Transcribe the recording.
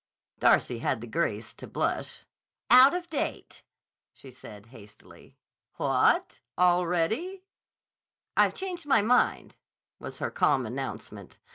Darcy had the grace to blush. "Out of date," she said hastily. "What! Already?" "I've changed my mind," was her calm announcement.